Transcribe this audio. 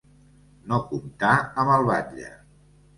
No comptar amb el batlle.